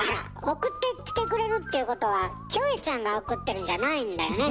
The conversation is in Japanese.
送ってきてくれるっていうことはキョエちゃんが送ってるんじゃないんだよね。